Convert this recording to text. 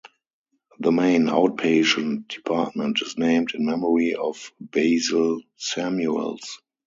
The main outpatient department is named in memory of Basil Samuels.